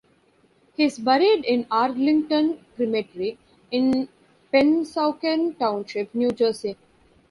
He is buried in Arlington Cemetery in Pennsauken Township, New Jersey.